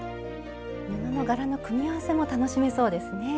布の柄の組み合わせも楽しめそうですね。